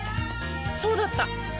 そうだった！